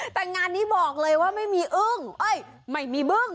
แต่งานนี้บอกเลยว่าไม่มีอึ้งเอ้ยไม่มีบึ้ง